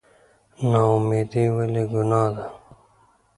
نااميدي ولې ګناه ده؟